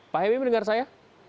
pak hemi mendengar saya